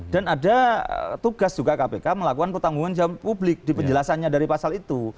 ada tugas juga kpk melakukan pertanggung jawab publik di penjelasannya dari pasal itu